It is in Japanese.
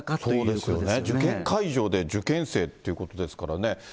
そうですよね、受験会場で受験生ということですからね。